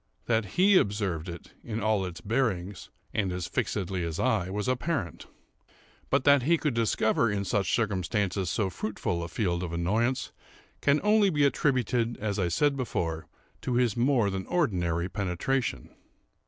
That he observed it in all its bearings, and as fixedly as I, was apparent; but that he could discover in such circumstances so fruitful a field of annoyance, can only be attributed, as I said before, to his more than ordinary penetration.